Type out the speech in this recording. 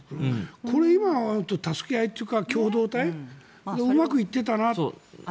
これ今、思うと助け合いというか共同体がうまくいってたなと。